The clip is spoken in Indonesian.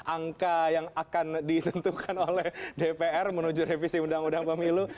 angka yang akan ditentukan oleh dpr menuju revisi undang undang pemilu